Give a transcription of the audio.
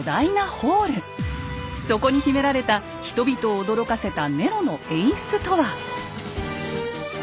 そこに秘められた人々を驚かせたネロの演出とは？